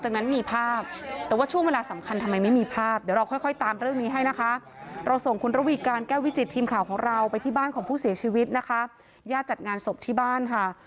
ชีวิตนะคะญาติจัดงานศพที่บ้านค่ะ